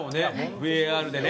ＶＡＲでね。